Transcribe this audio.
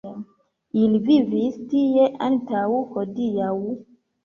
Ili vivis tie antaŭ hodiaŭ.